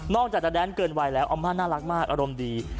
จากจะแดนเกินวัยแล้วอาม่าน่ารักมากอารมณ์ดี